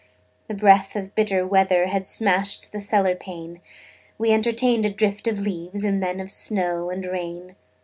The breath of bitter weather Had smashed the cellar pane: We entertained a drift of leaves And then of snow and rain.